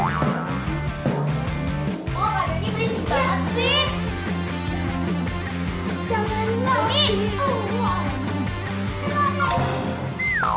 mana ini jadi orang langsung ya marah